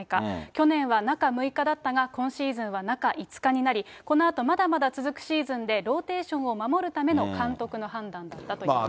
去年は中６日だったが、今シーズンは中５日になりこのあとまだまだ続くシーズンでローテーションを守るための監督の判断だったということです。